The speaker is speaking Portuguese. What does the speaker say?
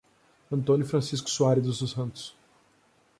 Antônio Francisco Soares dos Santos